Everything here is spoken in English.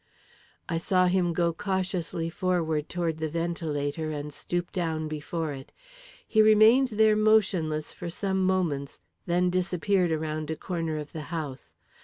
I saw him go cautiously forward toward the ventilator, and stoop down before it. He remained there motionless for some moments, then disappeared around a corner of the house.